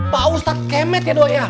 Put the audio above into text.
pak ustadz kemet ya doi